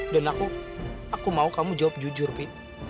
dan aku aku mau kamu jawab jujur pi